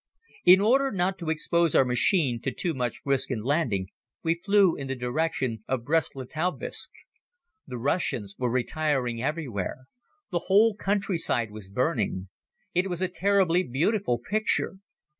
In order not to expose our machine to too much risk in landing we flew in the direction of Brest Litovsk. The Russians were retiring everywhere. The whole countryside was burning. It was a terribly beautiful picture.